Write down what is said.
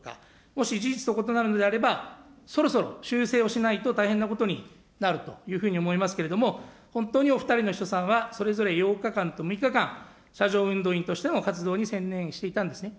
もし事実と違うならばそろそろ修正をしないと大変なことになるというふうに思いますけれども、本当にお２人の秘書さんは、それぞれ８日間と６日間、車上運動員としての活動に専念していたんですね。